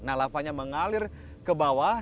nah lavanya mengalir ke bawah